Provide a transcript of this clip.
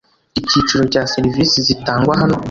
icyiciro cya serivisi zitangwa hano